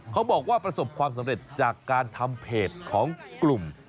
เขาบอกว่าประสบความสำเร็จจากการทำเพจของกลุ่ม